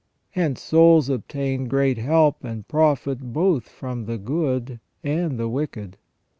Hence souls obtain great help and profit both from the good and the wicked.